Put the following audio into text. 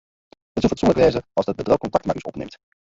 It soe fatsoenlik wêze as dat bedriuw kontakt mei ús opnimt.